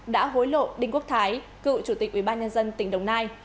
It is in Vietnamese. đã hối lộ đinh quốc thái cựu chủ tịch ubnd tỉnh đồng nai